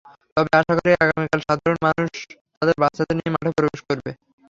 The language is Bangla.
তবে আশা করি, আগামীকাল সাধারণ মানুষ তাদের বাচ্চাদের নিয়ে মাঠে প্রবেশ করবে।